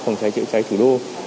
phòng cháy chữa cháy thủ đô